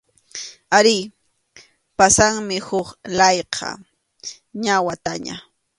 Arí, pasanmi huk layqa, ña wataña.